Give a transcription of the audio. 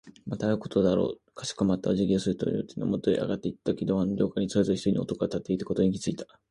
また会うことだろう。かしこまってお辞儀をする亭主のところへ上がっていったとき、ドアの両側にそれぞれ一人ずつの男が立っているのに気づいた。